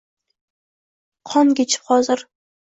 Kon kechib xozir